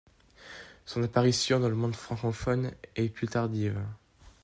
Son apparition dans le monde francophone est plus tardive.